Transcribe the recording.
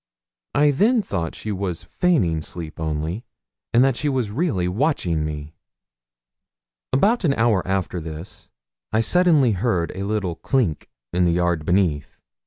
I then thought she was feigning sleep only, and that she was really watching me. About an hour after this I suddenly heard a little clink in the yard beneath.